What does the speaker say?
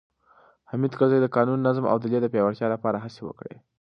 حامد کرزي د قانون، نظم او عدلیې د پیاوړتیا لپاره هڅې وکړې.